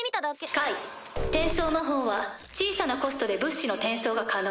解転送魔法は小さなコストで物資の転送が可能です。